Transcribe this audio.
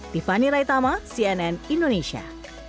tiffany raitama cnn indonesia